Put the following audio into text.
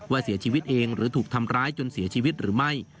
เสียชีวิตเองหรือถูกทำร้ายจนเสียชีวิตหรือไม่